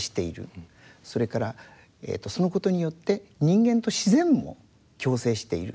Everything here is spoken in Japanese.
それからそのことによって人間と自然も共生している。